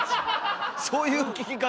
そういう聞き方？